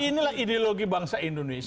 inilah ideologi bangsa indonesia